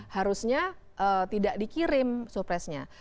harusnya tidak dikirim surpresnya